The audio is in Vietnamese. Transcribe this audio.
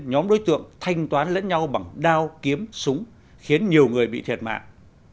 nhóm đối tượng thanh toán lẫn nhau bằng đao kiếm súng khiến nhiều người bị thiệt mạng